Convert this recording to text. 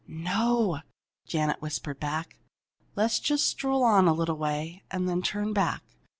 "No," Janet whispered back. "Let's just stroll on a little way, and then turn back.